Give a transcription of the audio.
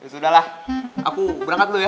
sudahlah aku berangkat tuh ya